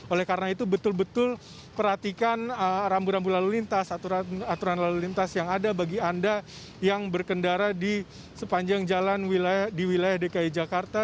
oleh karena itu betul betul perhatikan rambu rambu lalu lintas aturan lalu lintas yang ada bagi anda yang berkendara di sepanjang jalan di wilayah dki jakarta